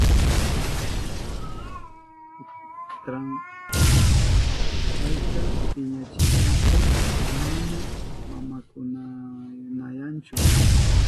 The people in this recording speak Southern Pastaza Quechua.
Kutran payta piñachishpanpas mana makanakunayanchu.